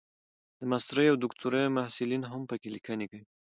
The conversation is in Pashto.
د ماسټرۍ او دوکتورا محصلین هم پکې لیکني کوي.